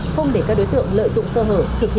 không để các đối tượng lợi dụng sơ hở